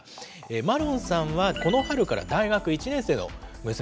マロンさんはこの春から大学１年生の娘さんがいる。